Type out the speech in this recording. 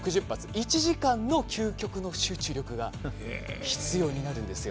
１時間の究極の集中力が必要になるんですよ。